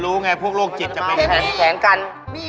ต้องการมาจังหวัดดี